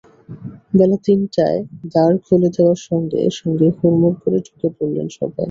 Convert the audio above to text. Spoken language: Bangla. বেলা তিনটায় দ্বার খুলে দেওয়ার সঙ্গে সঙ্গে হুড়মুড় করে ঢুুকে পড়লেন সবাই।